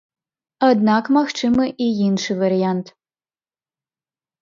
Аднак магчымы і іншы варыянт.